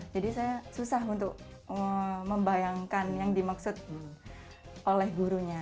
jadi saya susah untuk membayangkan yang dimaksud oleh gurunya